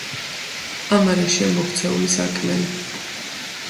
ამ არეშია მოქცეული სარკმელი.